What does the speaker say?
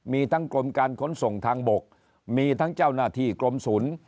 มีทั้งกรมการขนส่งทางบกมีทั้งเจ้าหน้าที่กรมศูนย์